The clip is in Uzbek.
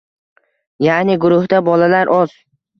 yaʼni guruhda bolalar oz